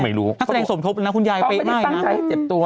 แม่แสดงสมทบแล้วนะคุณยายเจ็บตัว